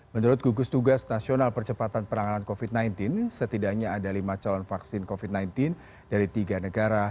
menurut gugus tugas nasional percepatan penanganan covid sembilan belas setidaknya ada lima calon vaksin covid sembilan belas dari tiga negara